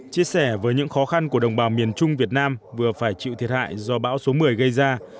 chia sẻ với những khó khăn của đồng bào miền trung việt nam vừa phải chịu thiệt hại do bão số một mươi gây ra